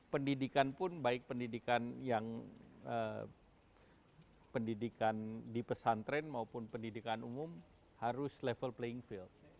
pendidikan pun baik pendidikan yang pendidikan di pesantren maupun pendidikan umum harus level playing field